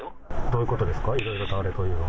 どういうことですか？